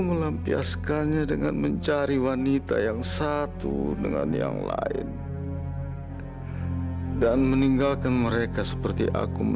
kita seorangkan dan seorang yang gernakan lashes emis random baby di rumah